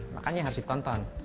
makanya harus ditonton